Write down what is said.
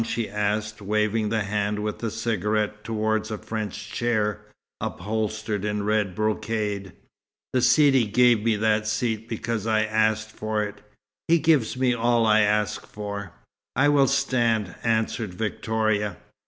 she asked, waving the hand with the cigarette towards a French chair, upholstered in red brocade. "The Sidi gave me that seat because I asked for it. He gives me all I ask for." "I will stand," answered Victoria.